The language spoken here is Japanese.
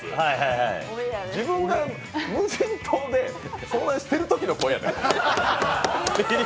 自分が無人島で遭難してるときの声やで。